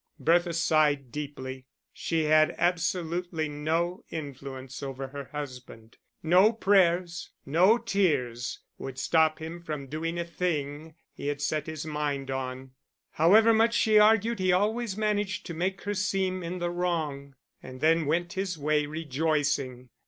Bertha sighed deeply. She had absolutely no influence over her husband. No prayers, no tears would stop him from doing a thing he had set his mind on however much she argued he always managed to make her seem in the wrong, and then went his way rejoicing.